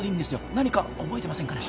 何か覚えてませんかね